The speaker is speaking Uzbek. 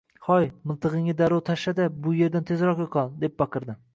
— Hoy, miltig’ingni darrov tashla-da, bu yerdan tezroq yo’qol,—deb baqirdi.